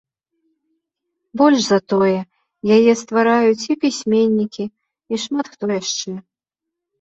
Больш за тое, яе ствараюць і пісьменнікі, і шмат хто яшчэ.